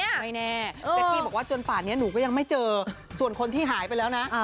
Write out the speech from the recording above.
แจ๊กกี้บอกว่าจนฝากงี้หนูอย่างไม่เจอส่วนคนที่หายไปแล้วนะ